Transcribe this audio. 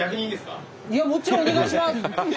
いやもちろんお願いします！